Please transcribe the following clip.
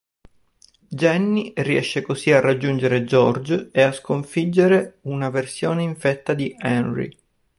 Jenny riesce così a raggiungere George e a sconfiggere una versione infetta di Henry.